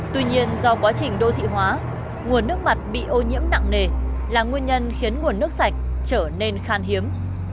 tuy nhiên do quá trình đô thị hóa nguồn nước mặt bị ô nhiễm nặng nề là nguyên nhân khiến nguồn nước sạch trở nên khan hiếm